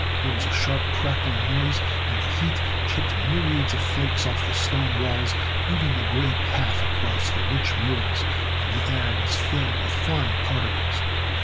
There was a sharp crackling noise and the heat chipped myriads of flakes off the stone walls, leaving a gray path across the rich murals, and the air was filled with flying particles.